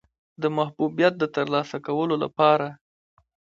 د محبوبیت د ترلاسه کولو لپاره.